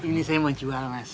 ini saya mau jual mas